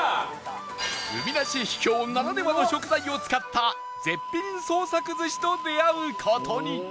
海なし秘境ならではの食材を使った絶品創作寿司と出会う事に